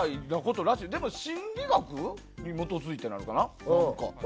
心理学に基づいて、なのかな。